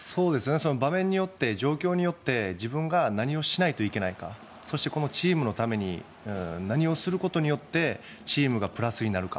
場面によって状況によって自分が何をしないといけないかそして、このチームのために何をすることによってチームがプラスになるか。